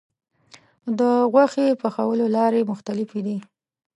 د غوښې پخولو لارې مختلفې دي.